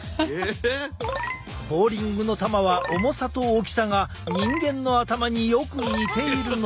ボウリングの球は重さと大きさが人間の頭によく似ているのだ。